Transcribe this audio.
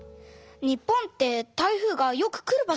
日本って台風がよく来る場所にあるの？